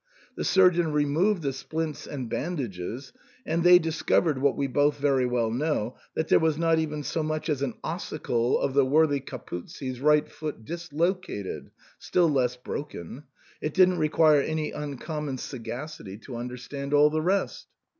The surgeon removed the splints and bandages, and they discovered, what we both very well know, that there was not even so much as an ossicle of the worthy Capuzzi's right foot dislocated, still less broken. It didn't require any uncommon sagacity to understand all the rest."